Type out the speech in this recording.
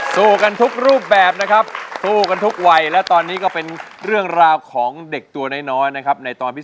สู้กันทุกรูปแบบนะครับสู้กันทุกวัยและตอนนี้ก็เป็นเรื่องราวของเด็กตัวน้อยนะครับในตอนที่